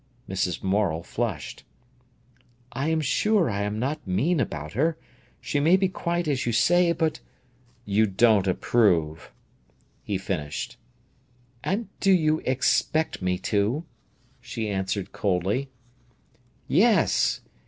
Mrs. Morel flushed. "I am sure I am not mean about her. She may be quite as you say, but—" "You don't approve," he finished. "And do you expect me to?" she answered coldly. "Yes!